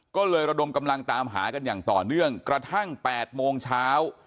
ก็เลยระดมกำลังตามหากันอย่างต่อเนื่องกระทั่ง๘โมงเช้า